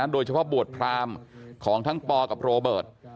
โดยเฉพาะบวชพรามของทั้งปกับโรเบิร์ต